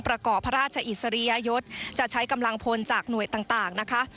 ประกอบพระราชอิสริยยศจะใช้กำลังพลจากหน่วยต่างนะคะ